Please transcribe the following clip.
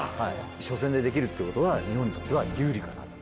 初戦でできるっていうことは日本にとっては有利かなと。